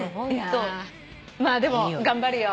まあでも頑張るよ。